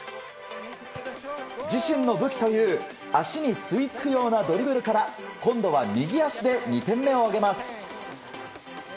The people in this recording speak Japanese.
自身の武器という足に吸い付くようなドリブルから今度は右足で２点目を挙げます。